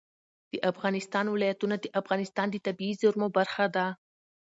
د افغانستان ولايتونه د افغانستان د طبیعي زیرمو برخه ده.